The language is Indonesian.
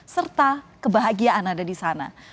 serta kebahagiaan ada di sana